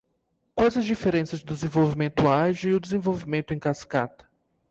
Quais as diferenças do desenvolvimento ágil e o desenvolvimento em cascata?